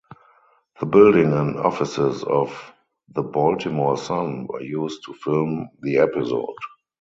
The building and offices of "The Baltimore Sun" were used to film the episode.